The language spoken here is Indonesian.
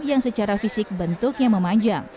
yang secara fisik bentuknya memanjang